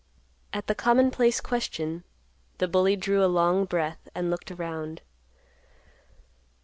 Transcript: At the commonplace question, the bully drew a long breath and looked around.